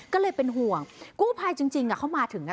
ก็เลยเป็นห่วงกูพายจริงจริงอ่ะเข้ามาถึงอ่ะ